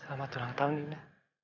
selamat ulang tahun nina